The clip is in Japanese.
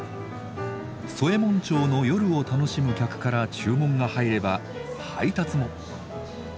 宗右衛門町の夜を楽しむ客から注文が入れば配達も。